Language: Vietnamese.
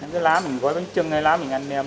cái lá mình gói bánh trưng hay lá mình ăn nem